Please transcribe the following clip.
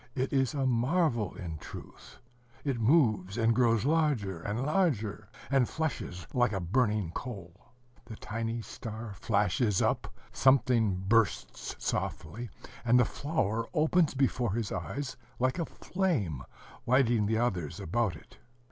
It is a marvel, in truth. It moves, and grows larger and larger, and flushes like a burning coal. The tiny star flashes up, something bursts softly, and the flower opens before his eyes like a flame, lighting the others about it.